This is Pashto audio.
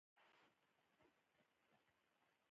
زه د ستونزو پر وخت صبر کوم.